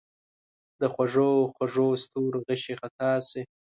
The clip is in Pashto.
د خوږو، خوږو ستورو غشي خطا شي